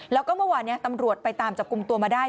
แล้วก็เมื่อวานนี้ตำรวจไปตามจับกลุ่มตัวมาได้